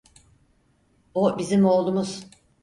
O bizim oğlumuz.